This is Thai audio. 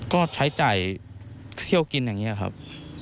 ก็ใช้จ่ายเที่ยวกินอย่างนี้ครับ